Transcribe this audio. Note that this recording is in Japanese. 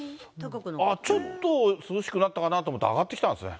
ちょっと涼しくなったかなと思ったら、上がってきたんですね。